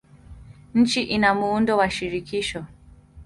Nchi ina muundo wa shirikisho.